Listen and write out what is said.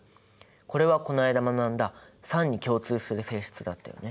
これはこの間学んだ酸に共通する性質だったよね。